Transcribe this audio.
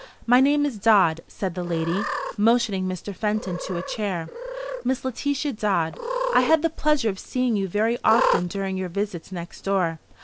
"My name is Dodd," said the lady, motioning Mr. Fenton to a chair, "Miss Letitia Dodd. I had the pleasure of seeing you very often during your visits next door.